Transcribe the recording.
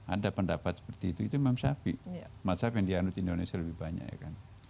ada pendapat seperti itu itu imam shafi yang dianut indonesia lebih banyak ya kan